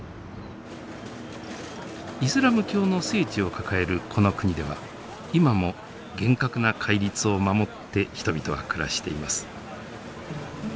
イスラム教の聖地を抱えるこの国では今も厳格な戒律を守って人々は暮らしています。